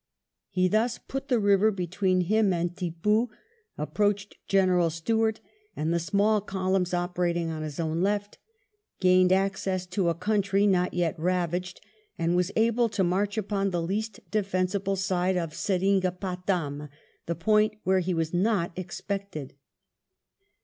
He thus put the river between him and Tippoo, approached General Stuart and the small columns operating on his own left, gained access to a country not yet ravaged, and was able to march upon the least defensible side of Seringapatam, the point where he was not expected.